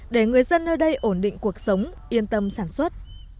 để người dân nơi đây ổn định cuộc sống yên tâm sản xuất